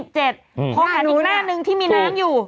พอหันอีกหน้านึงที่มีน้ำอยู่